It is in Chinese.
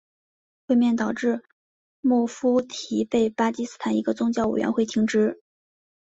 会面导致穆夫提被巴基斯坦一个宗教委员会停职。